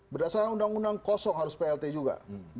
berdasarkan undang undang kosong harus plt juga